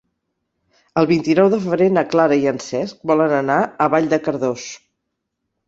El vint-i-nou de febrer na Clara i en Cesc volen anar a Vall de Cardós.